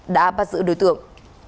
đã bắt giữ đối tượng